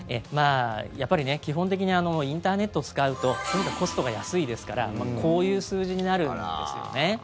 やっぱり基本的にインターネットを使うとそのほうがコストが安いですからこういう数字になるんですよね。